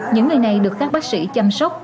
những người này được các bác sĩ chăm sóc